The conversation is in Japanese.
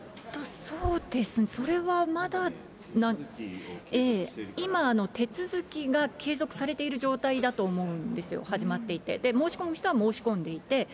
そうですね、それはまだ、今、手続きが継続されている状態だと思うんですよ、始まっていて、申し込む人は申し込んでいて。